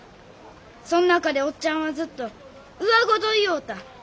そん中でおっちゃんはずっとうわごと言よおった。